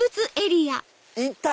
いた！